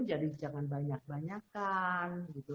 jadi jangan banyak banyakan